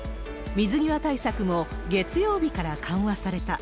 水際対策も月曜日から緩和された。